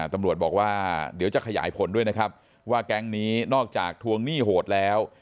ตำรวจบอกว่าเดี๋ยวจะขยายผลด้วยนะครับว่าแก๊งนี้นอกจากทวงหนี้โหดแล้ว